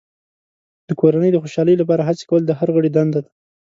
د کورنۍ د خوشحالۍ لپاره هڅې کول د هر غړي دنده ده.